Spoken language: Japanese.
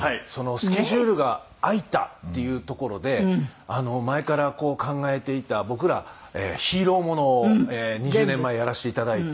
スケジュールが空いたっていうところで前から考えていた僕らヒーローものを２０年前やらせていただいて。